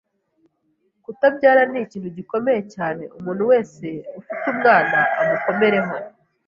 kutabyara ni ikintu gikomeye cyane umuntu wese ufite umwana amukomereho